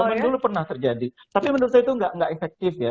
zaman dulu pernah terjadi tapi menurut saya itu nggak efektif ya